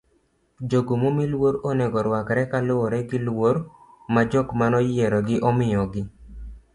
jogo momi luor onego ruakre kaluwore gi luor ma jok manoyierogi omiyogi